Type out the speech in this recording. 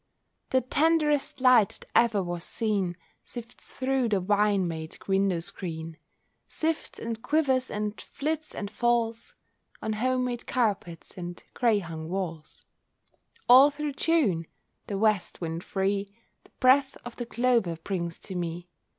The tenderest light that ever was seen Sifts through the vine made window screen— Sifts and quivers, and flits and falls On home made carpets and gray hung walls. All through June, the west wind free The breath of the clover brings to me.